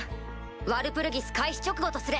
ワルプルギス開始直後とする！